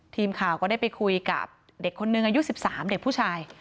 ทีมข่าวก็ได้ไปคุยกับเด็กคนนึงอายุ๑๓เด็กผู้ชาย